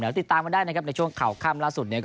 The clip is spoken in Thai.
แล้วติดตามกันได้ในช่วงเข่าข้ามล่าสุด